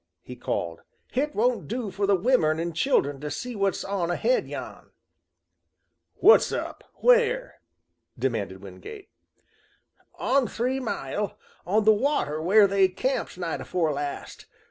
he called. "Hit won't do for the womern and children to see what's on ahead yan!" "What's up where?" demanded Wingate. "On three mile, on the water where they camped night afore last.